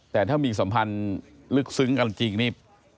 แต่ถ้ามีสัมพันธ์ลึกซึ้งกันจริงนี่